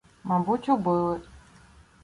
Мабуть, убили.